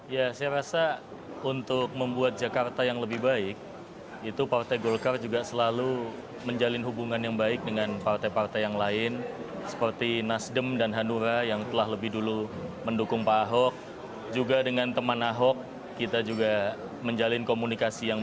ya saya rasa untuk membuat jakarta yang lebih baik itu partai golkar juga selalu menjalin hubungan yang baik dengan partai partai yang lain seperti nasdem dan hanura yang telah lebih dulu berhubungan dengan dpi